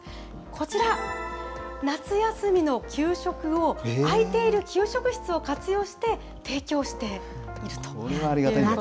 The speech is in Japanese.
こちら、夏休みの給食を空いている給食室を活用して提供しているというここれはありがたいな。